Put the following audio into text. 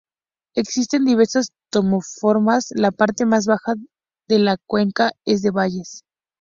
Existen diversas topoformas, la parte más baja de la cuenca, es de valles.